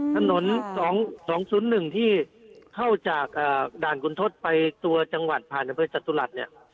ถนนสองสองศูนย์หนึ่งที่เข้าจากด่านกุณฑฎไปตัวจังหวัดผ่านอำเภยจัตรุหลัดเนี่ย